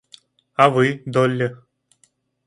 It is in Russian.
А вы, Долли?